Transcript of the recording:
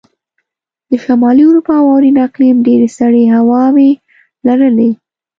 د شمالي اروپا واورین اقلیم ډېرې سړې هواوې لرلې.